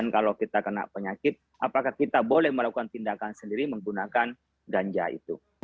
dan kalau kita kena penyakit apakah kita boleh melakukan tindakan sendiri menggunakan ganja itu